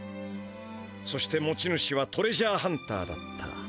そして持ち主はトレジャーハンターだった。